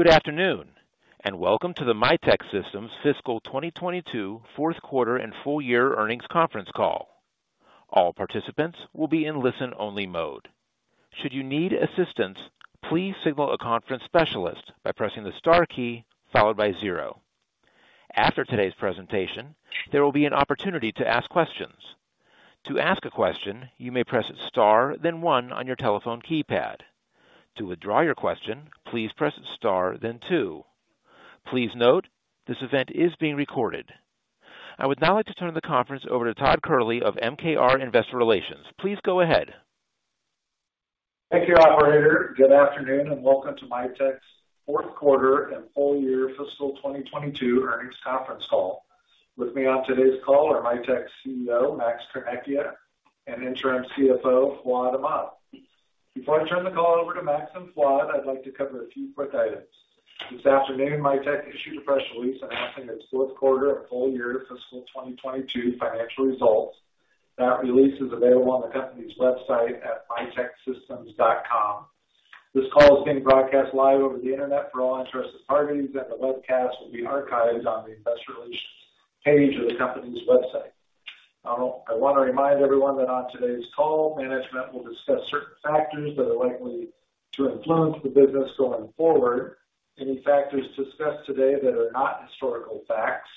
Good afternoon, and welcome to the Mitek Systems Fiscal 2022 Fourth Quarter and Full-Year Earnings Conference Call. All participants will be in listen-only mode. Should you need assistance, please signal a conference specialist by pressing the star key followed by zero. After today's presentation, there will be an opportunity to ask questions. To ask a question, you may press star, then one on your telephone keypad. To withdraw your question, please press star, then two. Please note, this event is being recorded. I would now like to turn the conference over to Todd Kehrli of MKR Investor Relations. Please go ahead. Thank you, operator. Good afternoon, welcome to Mitek's Fourth Quarter and Full-Year Fiscal 2022 Earnings Conference Call. With me on today's call are Mitek's CEO, Max Carnecchia, and Interim CFO, Fuad Ahmad. Before I turn the call over to Max and Fuad, I'd like to cover a few quick items. This afternoon, Mitek issued a press release announcing its fourth quarter and full year fiscal 2022 financial results. That release is available on the company's website at miteksystems.com. I want to remind everyone that on today's call, management will discuss certain factors that are likely to influence the business going forward. Any factors discussed today that are not historical facts,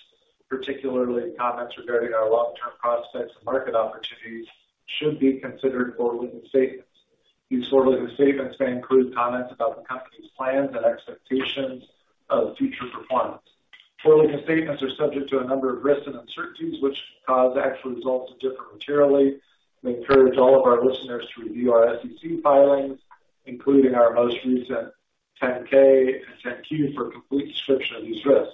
particularly comments regarding our long-term prospects and market opportunities, should be considered forward-looking statements. These forward-looking statements may include comments about the company's plans and expectations of future performance. Forward-looking statements are subject to a number of risks and uncertainties, which cause actual results to differ materially, and we encourage all of our listeners to review our SEC filings, including our most recent 10-K and 10-Q for a complete description of these risks.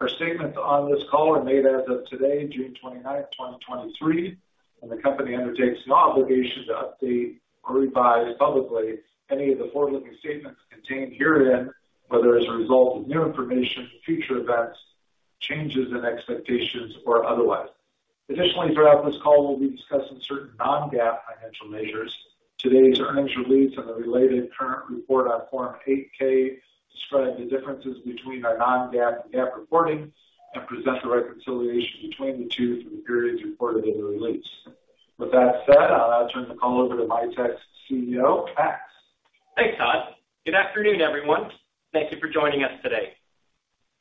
Our statements on this call are made as of today, June 29th, 2023, and the company undertakes no obligation to update or revise publicly any of the forward-looking statements contained herein, whether as a result of new information, future events, changes in expectations, or otherwise. Throughout this call, we'll be discussing certain non-GAAP financial measures. Today's earnings release and the related current report on Form 8-K describe the differences between our non-GAAP and GAAP reporting and present the reconciliation between the two for the periods reported in the release. With that said, I'll now turn the call over to Mitek's CEO, Max. Thanks, Todd. Good afternoon, everyone. Thank you for joining us today.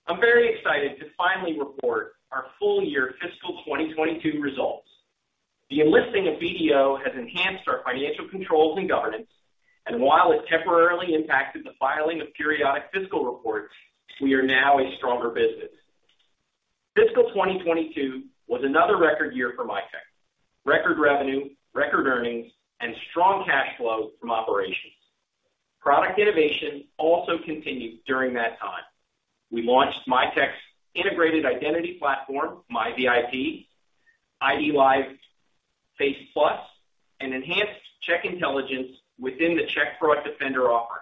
I'm very excited to finally report our Full-Year Fiscal 2022 Results. The enlisting of BDO has enhanced our financial controls and governance, and while it temporarily impacted the filing of periodic fiscal reports, we are now a stronger business. Fiscal 2022 was another record year for Mitek. Record revenue, record earnings, and strong cash flow from operations. Product innovation also continued during that time. We launched Mitek's integrated identity platform, MiVIP, IDLive Face Plus, and enhanced check intelligence within the Check Fraud Defender offer.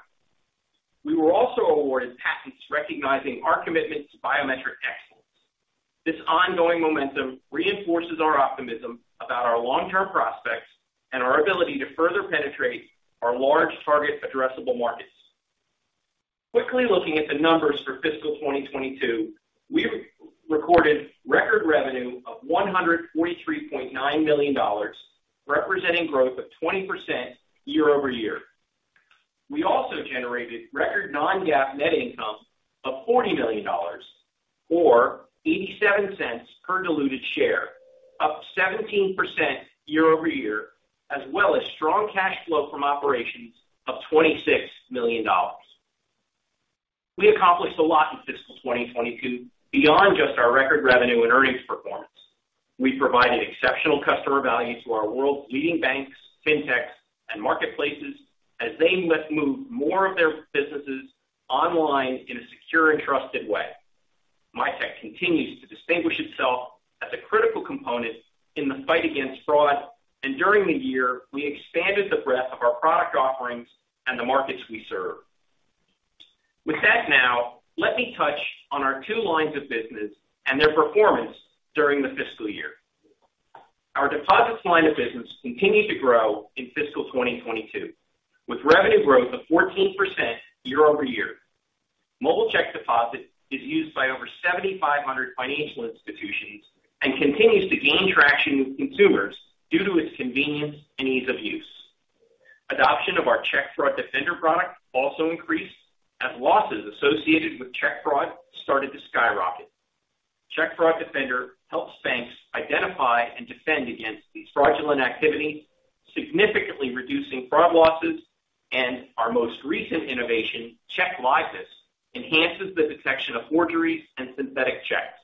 We were also awarded patents recognizing our commitment to biometric excellence. This ongoing momentum reinforces our optimism about our long-term prospects and our ability to further penetrate our large target addressable markets. Quickly looking at the numbers for fiscal 2022, we recorded record revenue of $143.9 million, representing growth of 20% year-over-year. We also generated record non-GAAP net income of $40 million, or $0.87 per diluted share, up 17% year-over-year, as well as strong cash flow from operations of $26 million. We accomplished a lot in fiscal 2022 beyond just our record revenue and earnings performance. We provided exceptional customer value to our world's leading banks, fintechs, and marketplaces as they lift move more of their businesses online in a secure and trusted way. Mitek continues to distinguish itself as a critical component in the fight against fraud, and during the year, we expanded the breadth of our product offerings and the markets we serve. With that now, let me touch on our two lines of business and their performance during the fiscal year. Our deposits line of business continued to grow in fiscal 2022, with revenue growth of 14% year-over-year. Mobile check deposit is used by over 7,500 financial institutions and continues to gain traction with consumers due to its convenience and ease of use. Adoption of our Check Fraud Defender product also increased, as losses associated with check fraud started to skyrocket. Check Fraud Defender helps banks identify and defend against these fraudulent activities, significantly reducing fraud losses, and our most recent innovation, Check Liveness, enhances the detection of forgeries and synthetic checks.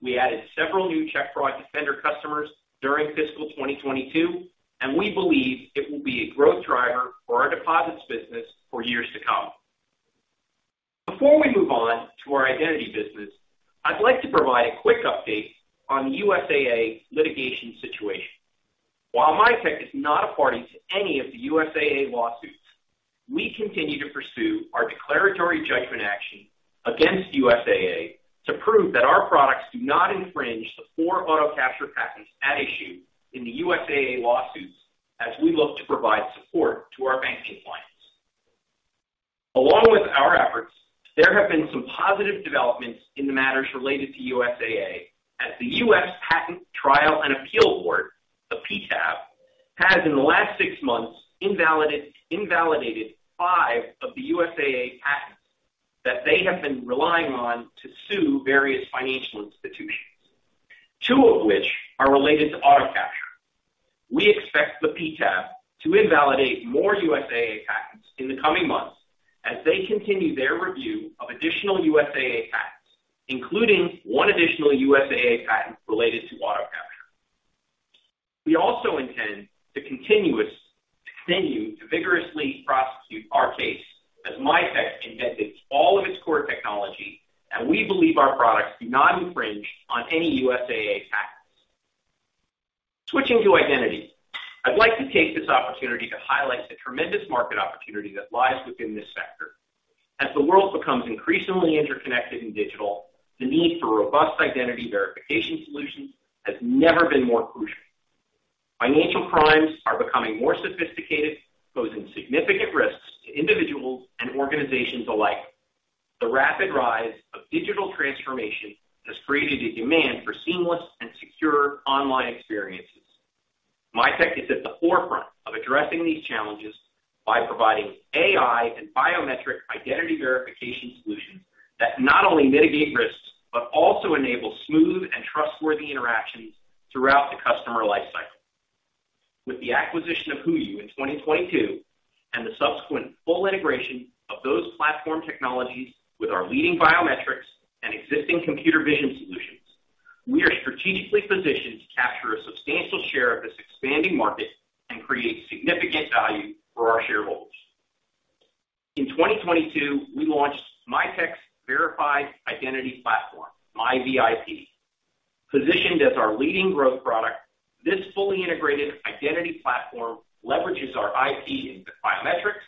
We added several new Check Fraud Defender customers during fiscal 2022, and we believe it will be a growth driver for our deposits business for years to come. Before we move on to our identity business, I'd like to provide a quick update on the USAA litigation situation. While Mitek is not a party to any of the USAA lawsuits, we continue to pursue our declaratory judgment action against USAA to prove that our products do not infringe the four auto capture patents at issue in the USAA lawsuits. As we look to provide support to our banking clients. Along with our efforts, there have been some positive developments in the matters related to USAA, as the U.S. Patent Trial and Appeal Board, the PTAB, has in the last six months invalidated five of the USAA patents that they have been relying on to sue various financial institutions, two of which are related to auto capture. We expect the PTAB to invalidate more USAA patents in the coming months as they continue their review of additional USAA patents, including one additional USAA patent related to auto capture. We also intend to continue to vigorously prosecute our case as Mitek invented all of its core technology, and we believe our products do not infringe on any USAA patents. Switching to Identity, I'd like to take this opportunity to highlight the tremendous market opportunity that lies within this sector. As the world becomes increasingly interconnected and digital, the need for robust identity verification solutions has never been more crucial. Financial crimes are becoming more sophisticated, posing significant risks to individuals and organizations alike. The rapid rise of digital transformation has created a demand for seamless and secure online experiences. Mitek is at the forefront of addressing these challenges by providing AI and biometric identity verification solutions that not only mitigate risks, but also enable smooth and trustworthy interactions throughout the customer life cycle. With the acquisition of HooYu in 2022, and the subsequent full integration of those platform technologies with our leading biometrics and existing computer vision solutions, we are strategically positioned to capture a substantial share of this expanding market and create significant value for our shareholders. In 2022, we launched Mitek's Verified Identity Platform, MiVIP. Positioned as our leading growth product, this fully integrated identity platform leverages our IP into biometrics,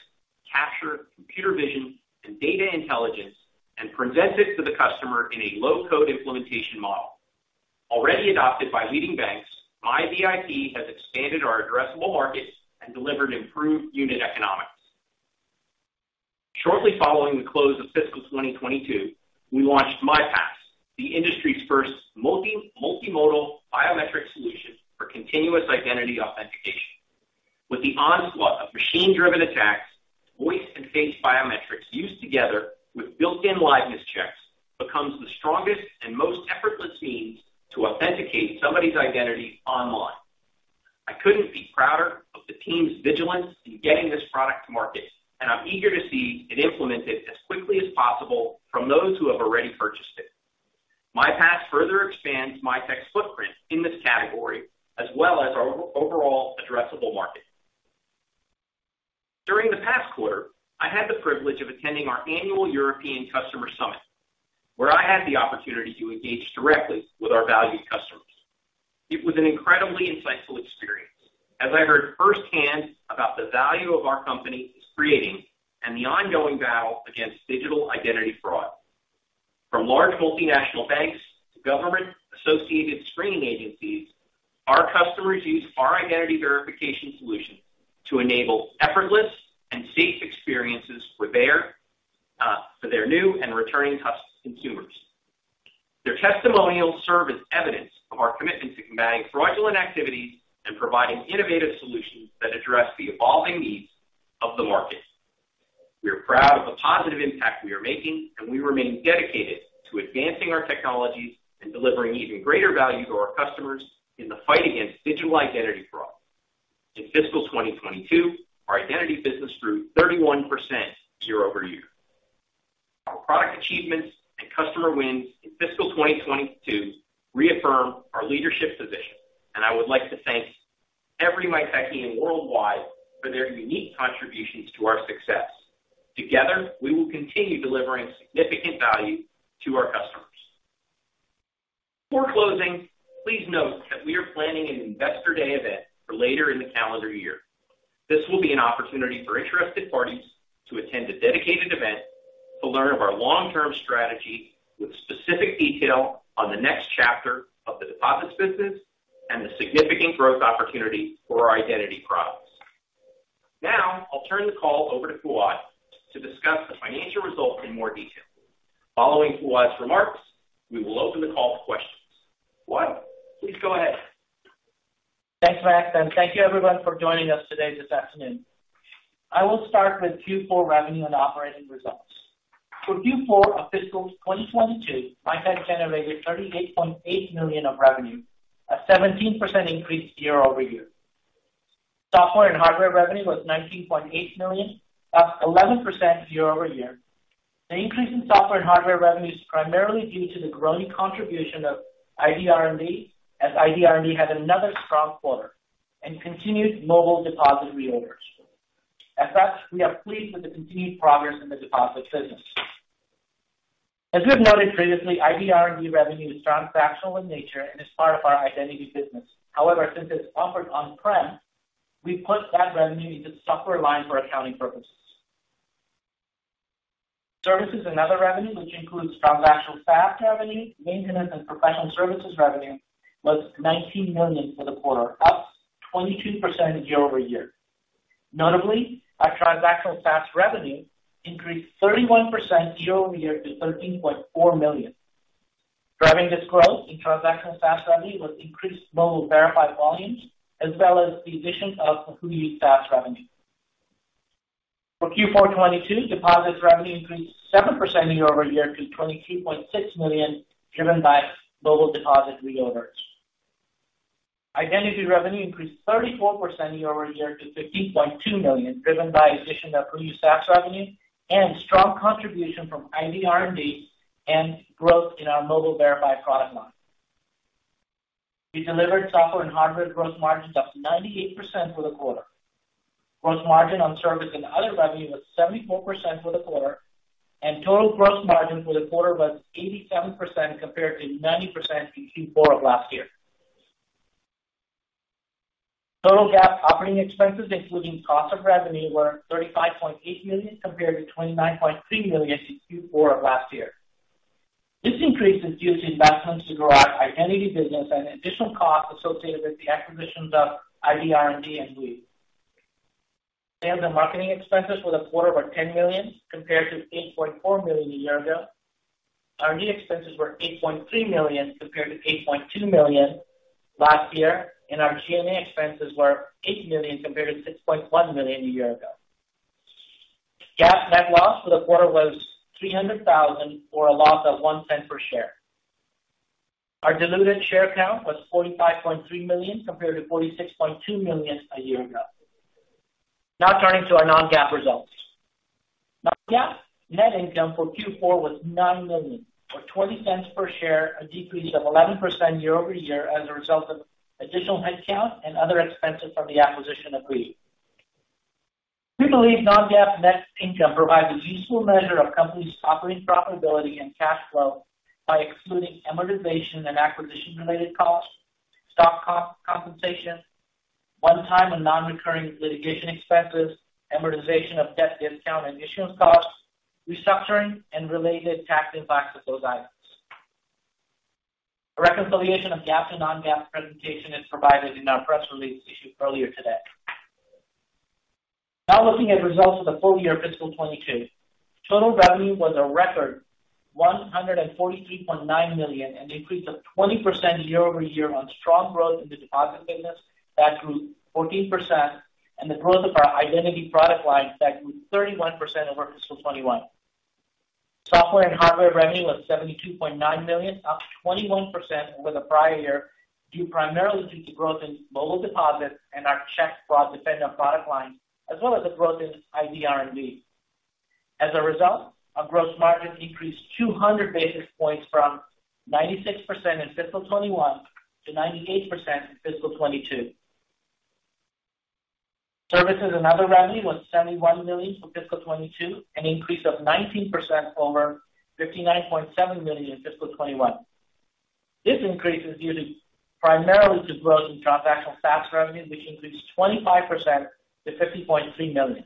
capture, computer vision, and data intelligence, and presents it to the customer in a low-code implementation model. Already adopted by leading banks, MiVIP has expanded our addressable markets and delivered improved unit economics. Shortly following the close of fiscal 2022, we launched MiPass, the industry's first multimodal biometric solution for continuous identity authentication. With the onslaught of machine-driven attacks, voice and face biometrics used together with built-in liveness checks, becomes the strongest and most effortless means to authenticate somebody's identity online. I couldn't be prouder of the team's vigilance in getting this product to market, and I'm eager to see it implemented as quickly as possible from those who have already purchased it. MiPass further expands Mitek's footprint in this category, as well as our overall addressable market. During the past quarter, I had the privilege of attending our Annual European Customer Summit, where I had the opportunity to engage directly with our valued customers. It was an incredibly insightful experience, as I heard firsthand about the value our company is creating and the ongoing battle against digital identity fraud. From large multinational banks to government-associated screening agencies, our customers use our identity verification solution to enable effortless and safe experiences for their, for their new and returning consumers. Their testimonials serve as evidence of our commitment to combating fraudulent activities and providing innovative solutions that address the evolving needs of the market. We are proud of the positive impact we are making, and we remain dedicated to advancing our technologies and delivering even greater value to our customers in the fight against digital identity fraud. In fiscal 2022, our Identity business grew 31% year-over-year. Our product achievements and customer wins in fiscal 2022 reaffirm our leadership position. I would like to thank every Mitekian worldwide for their unique contributions to our success. Together, we will continue delivering significant value to our customers. Before closing, please note that we are planning an Investor Day event for later in the calendar year. This will be an opportunity for interested parties to attend a dedicated event to learn of our long-term strategy with specific detail on the next chapter of the deposits business and the significant growth opportunity for our identity products. I'll turn the call over to Fuad to discuss the financial results in more detail. Following Fuad's remarks, we will open the call for questions. Fuad, please go ahead. Thanks, Max, and thank you everyone for joining us today this afternoon. I will start with Q4 revenue and operating results. For Q4 of fiscal 2022, Mitek generated $38.8 million of revenue, a 17% increase year-over-year. Software and hardware revenue was $19.8 million, up 11% year-over-year. The increase in software and hardware revenue is primarily due to the growing contribution of ID R&D, as ID R&D had another strong quarter and continued Mobile Deposit reorders. As such, we are pleased with the continued progress in the deposit business. As we have noted previously, ID R&D revenue is transactional in nature and is part of our Identity business. However, since it's offered on-prem, we put that revenue into the software line for accounting purposes. Services and other revenue, which includes transactional SaaS revenue, maintenance and professional services revenue, was $19 million for the quarter, up 22% year-over-year. Notably, our transactional SaaS revenue increased 31% year-over-year to $13.4 million. Driving this growth in transactional SaaS revenue was increased Mobile Verify volumes as well as the addition of the HooYu SaaS revenue. For Q4 2022, Deposits revenue increased 7% year-over-year to $22.6 million, driven by Mobile Deposit reorders. Identity revenue increased 34% year-over-year to $15.2 million, driven by acquisition of HooYu SaaS revenue and strong contribution from ID R&D and growth in our Mobile Verify product line. We delivered software and hardware gross margins up 98% for the quarter. Gross margin on service and other revenue was 74% for the quarter. Total gross margin for the quarter was 87% compared to 90% in Q4 of last year. Total GAAP operating expenses, including cost of revenue, were $35.8 million compared to $29.3 million in Q4 of last year. This increase is due to investments to grow our Identity business and additional costs associated with the acquisitions of ID R&D and HooYu. Sales and marketing expenses for the quarter were $10 million compared to $8.4 million a year ago. Our R&D expenses were $8.3 million compared to $8.2 million last year. Our G&A expenses were $8 million compared to $6.1 million a year ago. GAAP net loss for the quarter was $300,000, or a loss of $0.01 per share. Our diluted share count was 45.3 million, compared to 46.2 million a year ago. Turning to our non-GAAP results. Non-GAAP net income for Q4 was $9 million, or $0.20 per share, a decrease of 11% year-over-year as a result of additional headcount and other expenses from the acquisition of HooYu. We believe non-GAAP net income provides a useful measure of company's operating profitability and cash flow by excluding amortization and acquisition-related costs, stock compensation, one-time and non-recurring litigation expenses, amortization of debt discount and issuance costs, restructuring and related tax impacts of those items. A reconciliation of GAAP to non-GAAP presentation is provided in our press release issued earlier today. Looking at results for the full year fiscal 2022. Total revenue was a record $143.9 million, an increase of 20% year-over-year on strong growth in the deposit business that grew 14%, and the growth of our identity product line that grew 31% over fiscal 2021. Software and hardware revenue was $72.9 million, up 21% over the prior year, due primarily to the growth in Mobile Deposits and our Check Fraud Defender product line, as well as the growth in ID R&D. As a result, our gross margin decreased 200 basis points from 96% in fiscal 2021 to 98% in fiscal 2022. Services and other revenue was $71 million for fiscal 2022, an increase of 19% over $59.7 million in fiscal 2021. This increase is due primarily to growth in transactional SaaS revenue, which increased 25% to $50.3 million.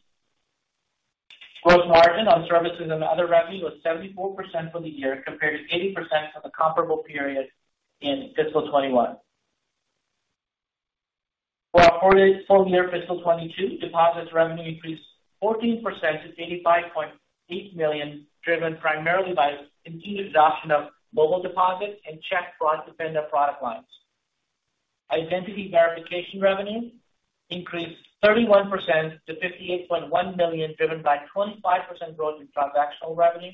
Gross margin on services and other revenue was 74% for the year, compared to 80% for the comparable period in fiscal 2021. For our full year fiscal 2022, Deposits revenue increased 14% to $85.8 million, driven primarily by continued adoption of Mobile Deposit and Check Fraud Defender product lines. Identity verification revenue increased 31% to $58.1 million, driven by 25% growth in transactional revenue,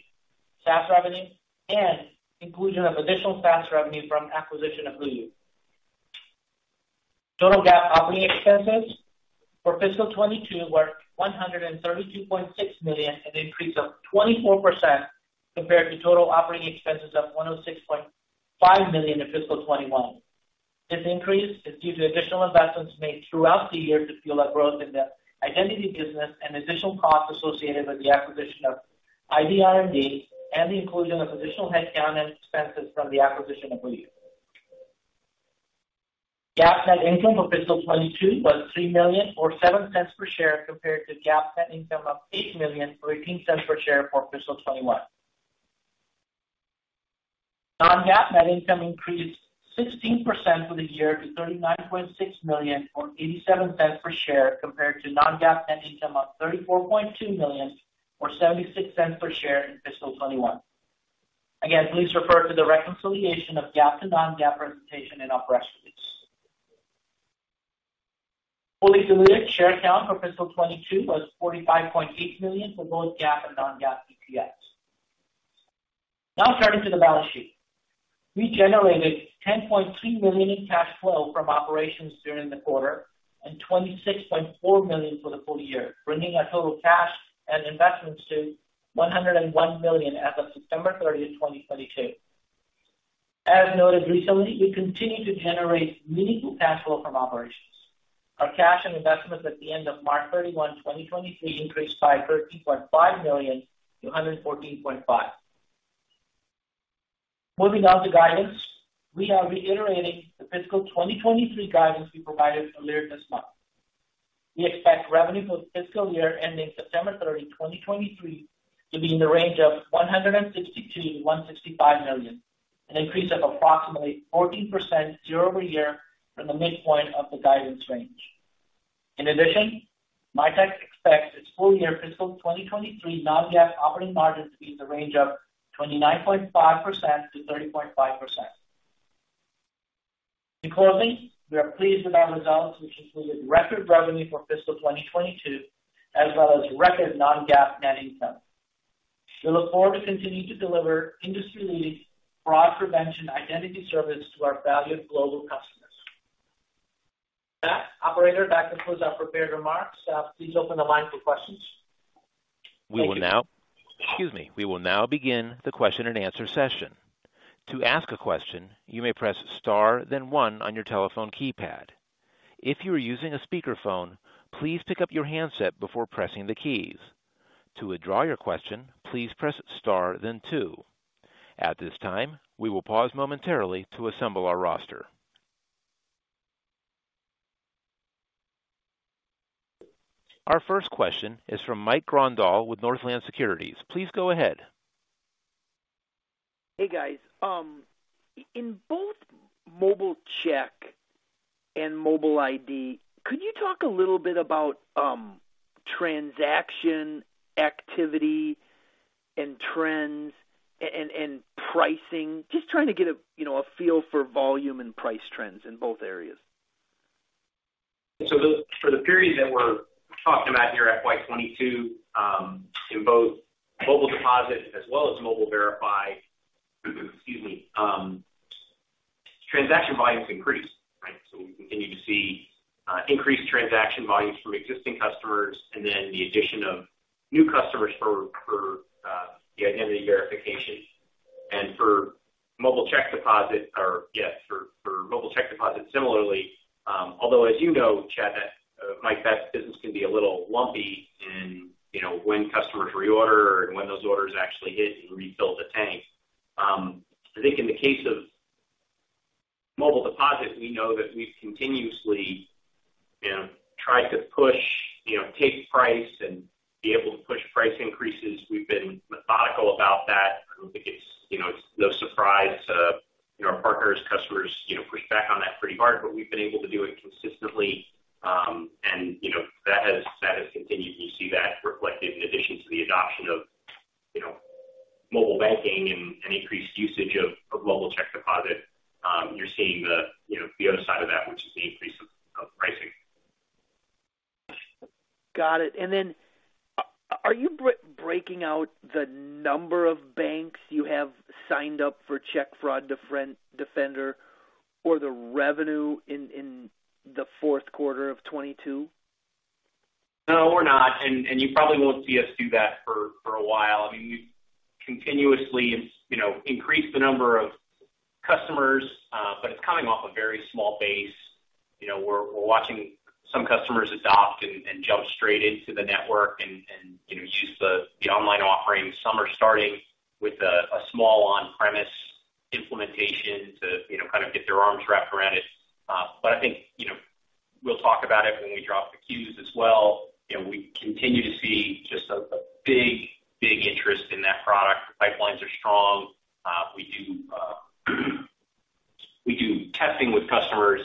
SaaS revenue, and inclusion of additional SaaS revenue from acquisition of HooYu. Total GAAP operating expenses for fiscal 2022 were $132.6 million, an increase of 24% compared to total operating expenses of $106.5 million in fiscal 2021. This increase is due to additional investments made throughout the year to fuel our growth in the identity business and additional costs associated with the acquisition of ID R&D and the inclusion of additional headcount and expenses from the acquisition of HooYu. GAAP net income for fiscal 2022 was $3 million, or $0.07 per share, compared to GAAP net income of $8 million, or $0.18 per share for fiscal 2021. Non-GAAP net income increased 16% for the year to $39.6 million, or $0.87 per share, compared to non-GAAP net income of $34.2 million, or $0.76 per share in fiscal 2021. Please refer to the reconciliation of GAAP to non-GAAP presentation in our press release. Fully diluted share count for fiscal 2022 was 45.8 million for both GAAP and non-GAAP EPS. Now turning to the balance sheet. We generated $10.3 million in cash flow from operations during the quarter, and $26.4 million for the full year, bringing our total cash and investments to $101 million as of September 30th, 2022. As noted recently, we continue to generate meaningful cash flow from operations. Our cash and investments at the end of March 31, 2023, increased by $13.5 million to $114.5 million. Moving on to guidance. We are reiterating the fiscal 2023 guidance we provided earlier this month. We expect revenue for the fiscal year ending September 30, 2023, to be in the range of $163 million-$165 million, an increase of approximately 14% year-over-year from the midpoint of the guidance range. In addition, Mitek expects its full year fiscal 2023 non-GAAP operating margin to be in the range of 29.5%-30.5%. In closing, we are pleased with our results, which included record revenue for fiscal 2022, as well as record non-GAAP net income. We look forward to continuing to deliver industry-leading fraud prevention identity service to our valued global customers. Max, operator, that concludes our prepared remarks. Please open the line for questions. We will now- Thank you. Excuse me. We will now begin the question and answer session. To ask a question, you may press star then one on your telephone keypad. If you are using a speakerphone, please pick up your handset before pressing the keys. To withdraw your question, please press star then two. At this time, we will pause momentarily to assemble our roster. Our first question is from Mike Grondahl with Northland Securities. Please go ahead. Hey, guys. In both mobile check and mobile ID, could you talk a little bit about transaction activity and trends and pricing? Just trying to get a, you know, a feel for volume and price trends in both areas. The—for the period that we're talking about here, FY 2022, in both Mobile Deposit as well as Mobile Verify, excuse me, transaction volumes increased, right? We continue to see increased transaction volumes from existing customers, and then the addition of new customers for the identity verification. For Mobile Deposit or, yes, for Mobile Deposit similarly, although as you know, Mike, that Mitek's business can be a little lumpy in, you know, when customers reorder and when those orders actually hit and refill the tank. I think in the case of Mobile Deposit, we know that we've continuously, you know, tried to push, you know, take price and be able to push price increases. We've been methodical about that. I don't think it's, you know, it's no surprise to, you know, our partners, customers, you know, push back on that pretty hard, but we've been able to do it consistently. You know, that has continued. You see that reflected in addition to the adoption of, you know, mobile banking and increased usage of mobile check deposit. You're seeing the, you know, the other side of that, which is the increase of pricing. Got it. Are you breaking out the number of banks you have signed up for Check Fraud Defender, or the revenue in the fourth quarter of 2022? No, we're not, and you probably won't see us do that for a while. I mean, we've continuously, you know, increased the number of customers, but it's coming off a very small base. You know, we're watching some customers adopt and jump straight into the network and, you know, use the online offerings. Some are starting with a small on-premise implementation to, you know, kind of get their arms wrapped around it. I think, you know, we'll talk about it when we drop the Qs as well. You know, we continue to see just a big interest in that product. The pipelines are strong. We do testing with customers,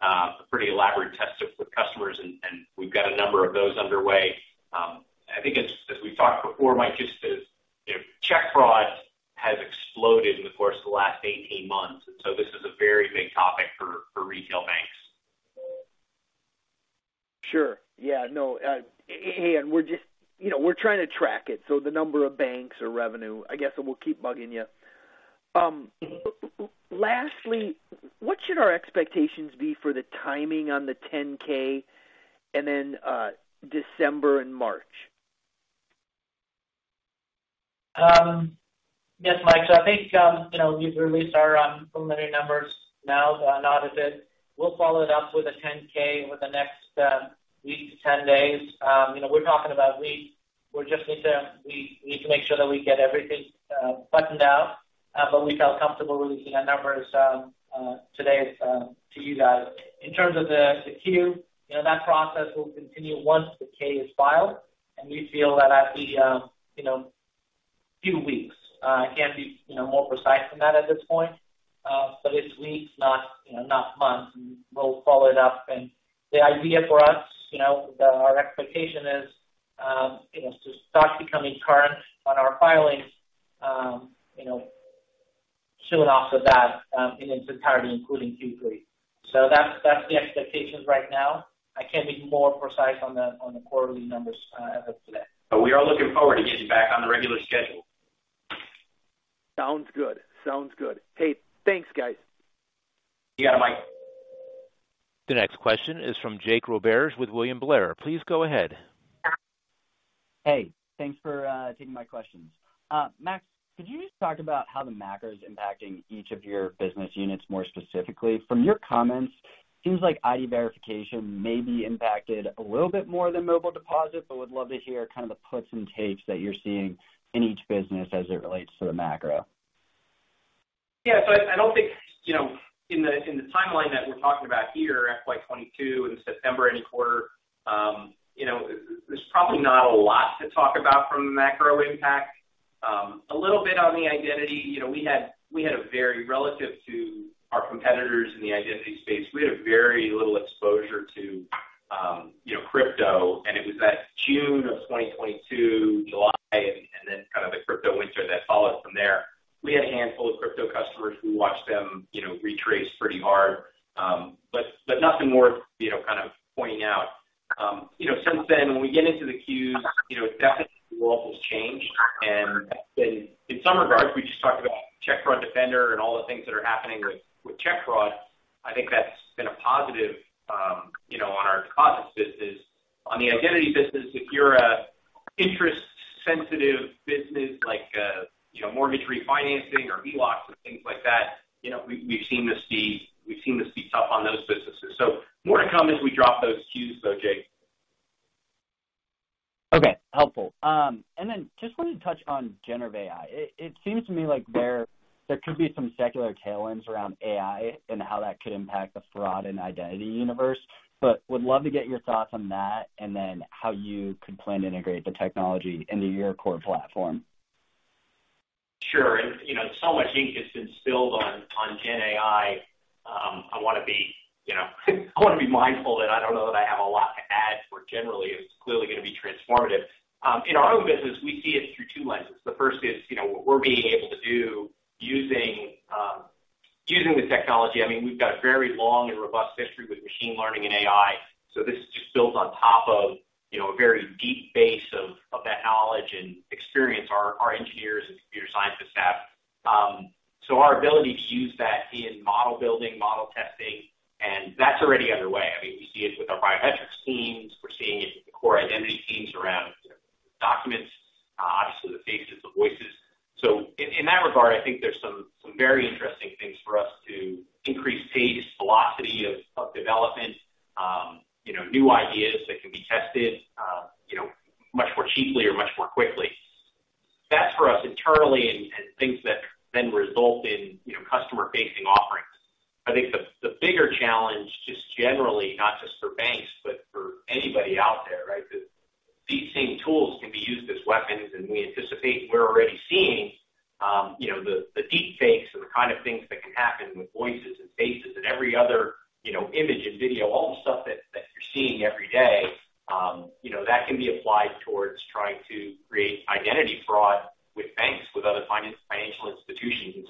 a pretty elaborate test with customers, and we've got a number of those underway. I think as we've talked before, Mike, just to, you know, check fraud has exploded in the course of the last 18 months. This is a very big topic for retail banks. Sure. Yeah, no, you know, we're trying to track it, so the number of banks or revenue, I guess, so we'll keep bugging you. Lastly, what should our expectations be for the timing on the 10-K and then, December and March? Yes, Mike. I think we've released our preliminary numbers now, not audited. We'll follow it up with a 10-K over the next one week to 10 days. We're talking about weeks. We just need to make sure that we get everything buttoned out. We felt comfortable releasing our numbers today to you guys. In terms of the Q, that process will continue once the K is filed. We feel that that'll be few weeks. I can't be more precise than that at this point. It's weeks, not months. We'll follow it up. The idea for us, you know, our expectation is, you know, to start becoming current on our filings, you know, soon after that, in its entirety, including Q3. That's the expectations right now. I can't be more precise on the quarterly numbers as of today. We are looking forward to getting back on the regular schedule. Sounds good. Sounds good. Hey, thanks, guys. You got it, Mike. The next question is from Jake Roberge with William Blair. Please go ahead. Hey, thanks for taking my questions. Max, could you just talk about how the macro is impacting each of your business units more specifically? From your comments, it seems like ID verification may be impacted a little bit more than Mobile Deposit, but would love to hear kind of the puts and takes that you're seeing in each business as it relates to the macro. I don't think, you know, in the timeline that we're talking about here, FY 2022 and September-end quarter, there's probably not a lot to talk about from a macro impact. A little bit on the Identity. We had a very relative to our competitors in the identity space. We had a very little exposure to crypto, and it was that June of 2022, July, and then kind of the crypto winter that followed from there. We had a handful of crypto customers who watched them, you know, retrace pretty hard, but nothing more, kind of pointing out. Since then, when we get into the Qs, definitely the world has changed. In some regards, we just talked about Check Fraud Defender and all the things that are happening with check fraud. I think that's been a positive, you know, on our Deposits business. On the Identity business, if you're a interest-sensitive business, like a, you know, mortgage refinancing or HELOCs and things like that, you know, we've seen this be tough on those businesses. More to come as we drop those Qs, though, Jake. Okay, helpful. Just wanted to touch on generative AI. It seems to me like there could be some secular tailwinds around AI and how that could impact the fraud and identity universe. Would love to get your thoughts on that, and then how you could plan to integrate the technology into your core platform. Sure. you know, so much ink has been spilled on Gen AI. I wanna be, you know, I wanna be mindful that I don't know that I have a lot to add, for generally, it's clearly gonna be transformative. In our own business, we see it through two lenses. The first is, you know, what we're being able to do using the technology. I mean, we've got a very long and robust history with machine learning and AI, this just builds on top of, you know, a very deep base of that knowledge and experience our engineers and computer scientists have. Our ability to use that in model building, model testing, and that's already underway. I mean, we see it with our biometrics teams. We're seeing it with the core identity teams around documents, obviously the faces, the voices. In that regard, I think there's some very interesting things for us to increase pace, velocity of development, you know, new ideas that can be tested, you know, much more cheaply or much more quickly. That's for us internally and things that then result in, you know, customer-facing offerings. I think the bigger challenge, just generally, not just for banks, but for anybody out there, right? These same tools can be used as weapons, and we anticipate we're already seeing, you know, the deepfakes and the kind of things that can happen with voices and faces and every other, you know, image and video, all the stuff that you're seeing every day, you know, that can be applied towards trying to create identity fraud with banks, with other financial institutions.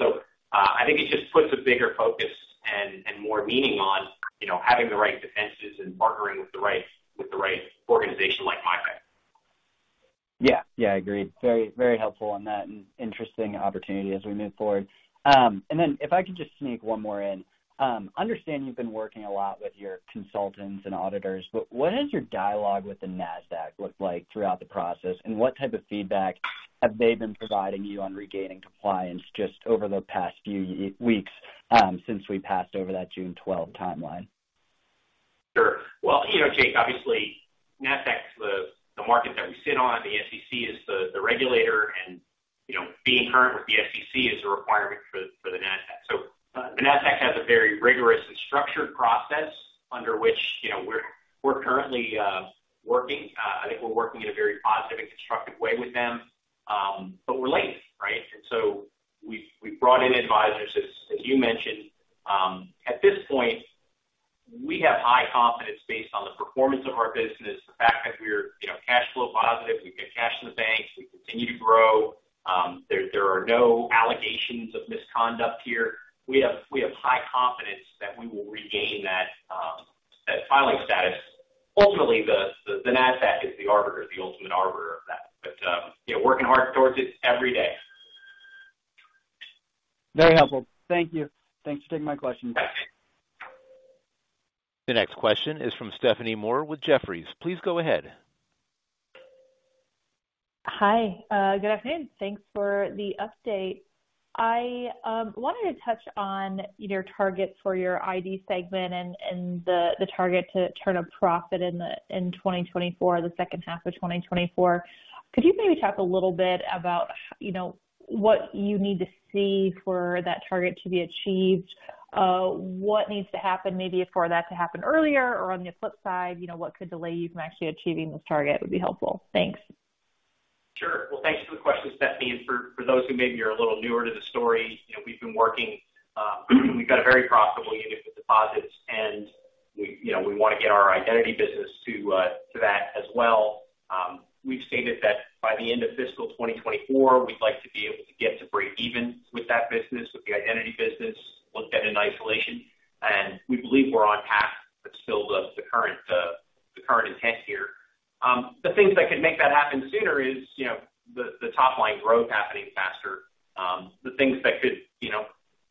I think it just puts a bigger focus and more meaning on, you know, having the right defenses and partnering with the right organization like MiVIP. Yeah, I agree. Very, very helpful on that, and interesting opportunity as we move forward. If I could just sneak one more in. Understand you've been working a lot with your consultants and auditors, what does your dialogue with the Nasdaq look like throughout the process, and what type of feedback have they been providing you on regaining compliance just over the past few weeks since we passed over that June 12 timeline? Sure. Well, you know, Jake, obviously, Nasdaq's the market that we sit on, the SEC is the regulator, and, you know, being current with the SEC is a requirement for the Nasdaq. The Nasdaq has a very rigorous and structured process under which, you know, we're currently working. I think we're working in a very positive and constructive way with them. We're late, right? We've brought in advisors, as you mentioned. At this point, we have high confidence based on the performance of our business, the fact that we're, you know, cash flow positive, we've got cash in the bank, we continue to grow. There are no allegations of misconduct here. We have high confidence that we will regain that filing status. Ultimately, the Nasdaq is the arbiter, the ultimate arbiter of that. Yeah, working hard towards it every day. Very helpful. Thank you. Thanks for taking my questions. The next question is from Stephanie Moore with Jefferies. Please go ahead. Hi, good afternoon. Thanks for the update. I wanted to touch on your target for your ID segment and the target to turn a profit in 2024, the second half of 2024. Could you maybe talk a little bit about, you know, what you need to see for that target to be achieved? What needs to happen maybe for that to happen earlier, or on the flip side, you know, what could delay you from actually achieving this target, would be helpful. Thanks. Sure. Well, thanks for the question, Stephanie. For those who maybe are a little newer to the story, you know, we've been working, we've got a very profitable unit with Deposits. We, you know, we wanna get our Identity business to that as well. We've stated that by the end of fiscal 2024, we'd like to be able to get to breakeven with that business, with the Identity business, looked at in isolation. We believe we're on track. That's still the current intent here. The things that could make that happen sooner is, you know, the top line growth happening faster. The things that could, you know,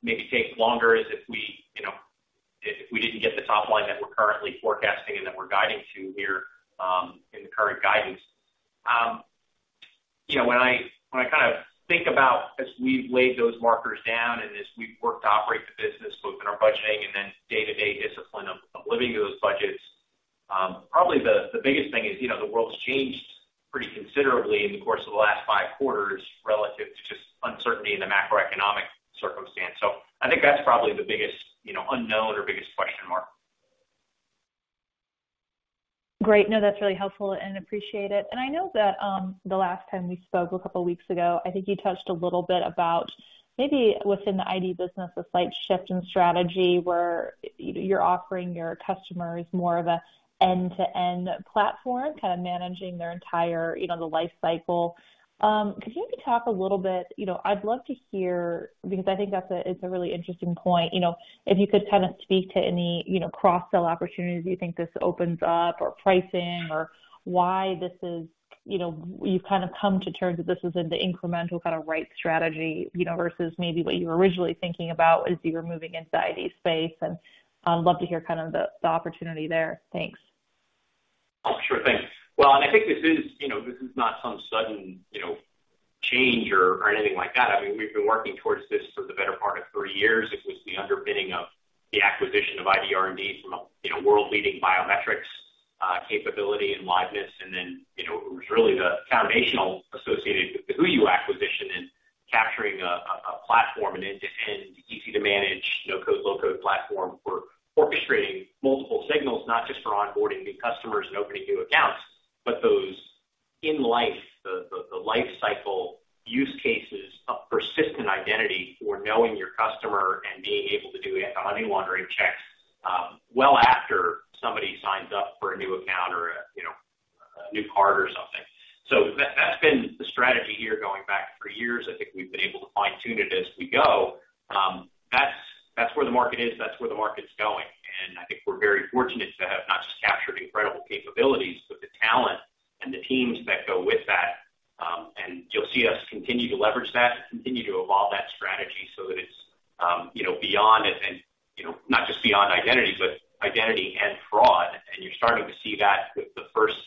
maybe take longer is if we, you know, if we didn't get the top line that we're currently forecasting and that we're guiding to here in the current guidance. You know, when I kind of think about as we've laid those markers down and as we've worked to operate the business, both in our budgeting and then day-to-day discipline of living to those budgets. Probably the biggest thing is, you know, the world's changed pretty considerably in the course of the last five quarters relative to just uncertainty in the macroeconomic circumstance. I think that's probably the biggest, you know, unknown or biggest question mark. Great. No, that's really helpful and appreciate it. I know that the last time we spoke a couple weeks ago, I think you touched a little bit about maybe within the ID business, a slight shift in strategy where you're offering your customers more of an end-to-end platform, kind of managing their entire, you know, the life cycle. Could you maybe talk a little bit, you know, I'd love to hear, because I think that's a, it's a really interesting point. If you could kind of speak to any, you know, cross-sell opportunities you think this opens up, or pricing, or why this is, you know, you've kind of come to terms that this is in the incremental kind of right strategy, you know, versus maybe what you were originally thinking about as you were moving into ID space? I'd love to hear kind of the opportunity there. Thanks. Oh, sure thing. Well, I think this is, you know, this is not some sudden, you know, change or anything like that. I mean, we've been working towards this for the better part of three years. It was the underbidding of the acquisition of ID R&D from a, you know, world-leading biometrics capability and liveness. You know, it was really the foundational associated with the HooYu acquisition and capturing a platform, an end-to-end, easy to manage, no-code/low-code platform for orchestrating multiple signals, not just for onboarding new customers and opening new accounts, but those in life, the life cycle use cases of persistent identity for knowing your customer and being able to do money laundering checks, well after somebody signs up for a new account or a, you know, a new card or something. That's been the strategy here going back for years. I think we've been able to fine-tune it as we go. That's, that's where the market is, that's where the market's going. I think we're very fortunate to have not just captured incredible capabilities, but the talent and the teams that go with that. You'll see us continue to leverage that and continue to evolve that strategy so that it's, you know, beyond and, you know, not just beyond Identity, but identity and fraud. You're starting to see that with the first,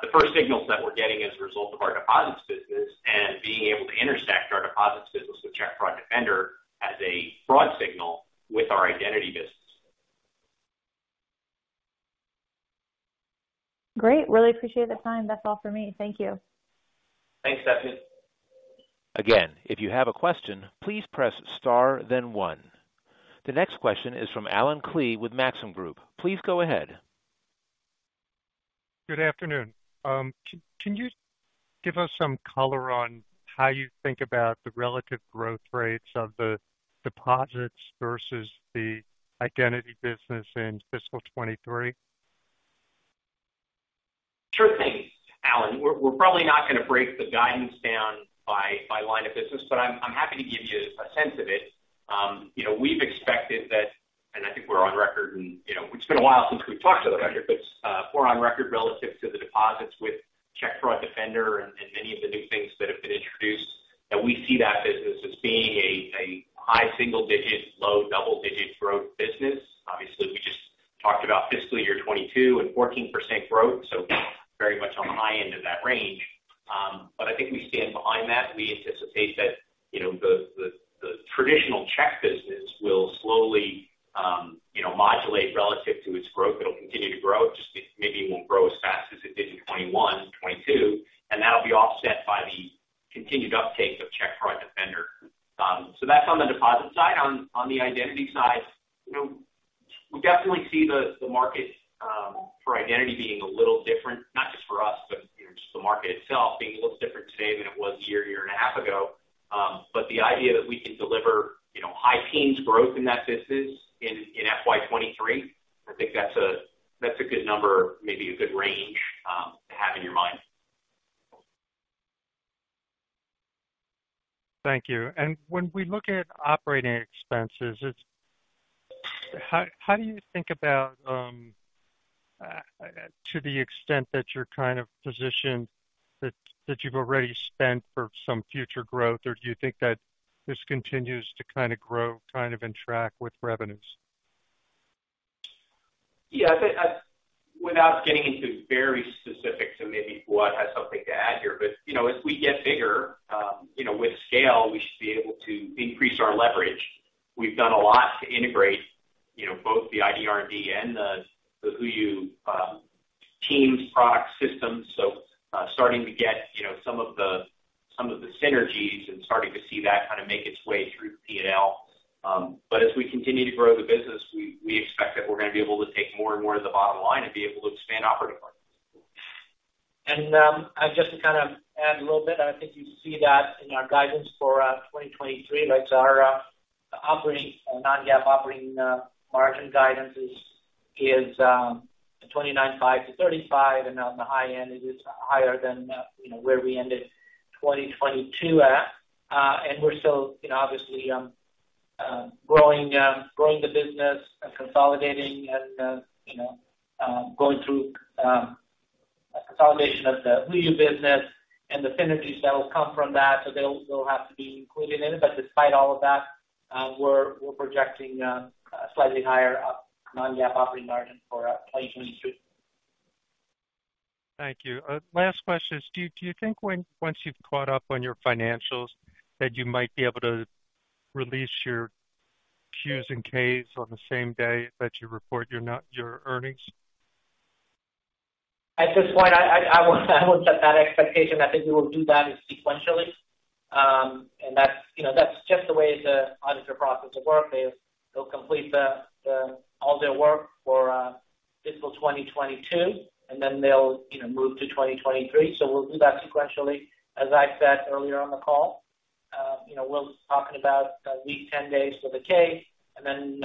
the first signals that we're getting as a result of our Deposits business, and being able to intersect our Deposits business with Check Fraud Defender as a fraud signal with our Identity business. Great. Really appreciate the time. That's all for me. Thank you. Thanks, Stephanie. Again, if you have a question, please press Star, then one. The next question is from Allen Klee with Maxim Group. Please go ahead. Good afternoon. Can you give us some color on how you think about the relative growth rates of the Deposits versus the Identity business in fiscal 2023? Sure thing, Alan. We're probably not gonna break the guidance down by line of business, but I'm happy to give you a sense of it. You know, we've expected that, and I think we're on record, and, you know, it's been a while since we've talked to the record, but we're on record relative to the deposits with Check Fraud Defender and many of the new things that have been introduced, that we see that business as being a high single digit, low double digit growth business. Obviously, we just talked about fiscal year 2022 and 14% growth, so very much on the high end of that range. I think we stand behind that. We anticipate that, you know, the traditional check business will slowly, you know, modulate relative to its growth. It'll continue to grow, just it maybe won't grow as fast as it did in 2021 and 2022, and that'll be offset by the continued uptake of Check Fraud Defender. That's on the Deposit side. On the identity side, you know, we definitely see the market for Identity being a little different, not just for us, but, you know, just the market itself being a little different today than it was a year and a half ago. The idea that we can deliver, you know, high teens growth in that business in FY 2023, I think that's a good number, maybe a good range to have in your mind. Thank you. When we look at operating expenses, how do you think about to the extent that you're kind of positioned that you've already spent for some future growth, or do you think that this continues to kinda grow in track with revenues? Yeah, I think, without getting into very specific to maybe what has something to add here, but, you know, as we get bigger, you know, with scale, we should be able to increase our leverage. We've done a lot to integrate, you know, both the ID R&D and the HooYu teams, product systems, starting to get, you know, some of the, some of the synergies and starting to see that kind of make its way through P&L. As we continue to grow the business, we expect that we're gonna be able to take more and more to the bottom line and be able to expand operating margin. Just to kind of add a little bit, I think you see that in our guidance for 2023, like our operating, non-GAAP, operating margin guidance is 29.5%-35%, and on the high end, it is higher than, you know, where we ended 2022 at. We're still, you know, obviously, growing the business and consolidating and, you know, going through a consolidation of the HooYu business and the synergies that will come from that. They'll have to be included in it. Despite all of that, we're projecting a slightly higher non-GAAP operating margin for 2022. Thank you. Last question is, do you think when, once you've caught up on your financials, that you might be able to release your Qs and Ks on the same day that you report your earnings? At this point, I wouldn't set that expectation. I think we will do that sequentially. That's, you know, that's just the way the auditor processes work. They'll complete the all their work for fiscal 2022, and then they'll, you know, move to 2023. We'll do that sequentially. As I said earlier on the call, you know, we're talking about a week to 10 days for the K, and then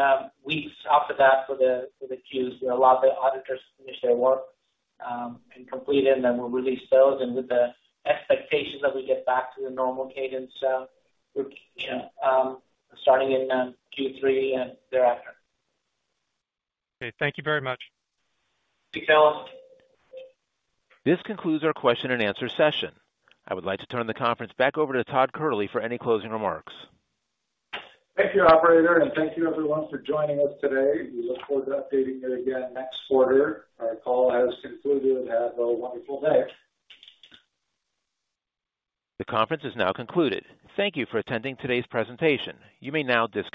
weeks after that for the Qs. You know, allow the auditors finish their work and complete it, and then we'll release those. With the expectations that we get back to the normal cadence, we're, you know, starting in Q3 and thereafter. Okay. Thank you very much. Thanks, Allen. This concludes our question and answer session. I would like to turn the conference back over to Todd Kehrli for any closing remarks. Thank you, operator, and thank you everyone for joining us today. We look forward to updating you again next quarter. Our call has concluded. Have a wonderful day. The conference is now concluded. Thank you for attending today's presentation. You may now disconnect.